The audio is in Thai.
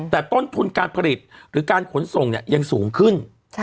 แต่ต้นทุนการผลิตหรือการขนส่งเนี่ยยังสูงขึ้น